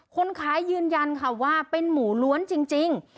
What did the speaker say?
คนขายยืนยันค่ะว่าเป็นหมูล้วนจริง